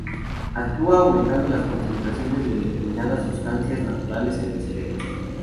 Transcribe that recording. Actúa aumentando las concentraciones de determinadas sustancias naturales en el cerebro.